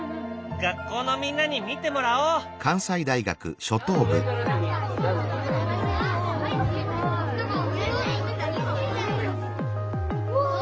学校のみんなに見てもらおう！わあ！